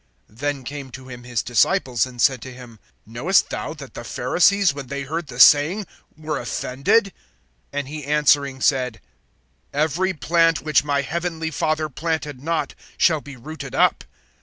(12)Then came to him his disciples, and said to him: Knowest thou that the Pharisees, when they heard the saying, were offended? (13)And he answering said: Every plant, which my heavenly Father planted not, shall be rooted up.